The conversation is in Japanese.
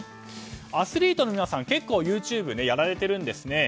アスリートの皆さん結構ＹｏｕＴｕｂｅをやられているんですね。